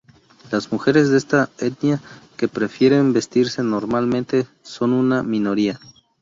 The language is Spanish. Las mujeres de esta etnia que prefieren vestirse normalmente son una minoría.